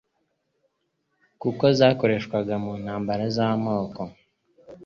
kuko zakoreshwaga mu ntambara z'amoko.